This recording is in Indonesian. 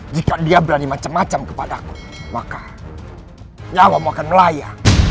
jika dia berani macam macam kepadaku maka nyawamu akan melaya